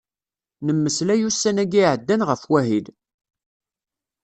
Nemmeslay ussan-agi iɛeddan ɣef wahil.